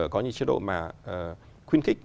có những chế độ mà khuyến khích